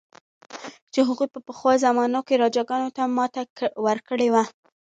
چې هغوی په پخوا زمانو کې راجاګانو ته ماته ورکړې وه.